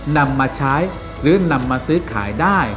นำมาใช้หรือนำมาซื้อขายได้